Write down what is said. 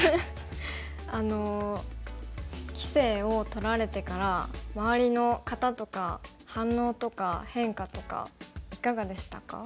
あの棋聖を取られてから周りの方とか反応とか変化とかいかがでしたか？